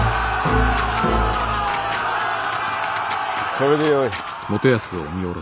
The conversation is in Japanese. それでよい。